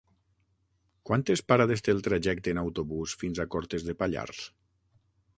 Quantes parades té el trajecte en autobús fins a Cortes de Pallars?